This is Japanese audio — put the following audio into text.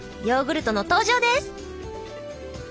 ヨーグルトの登場です。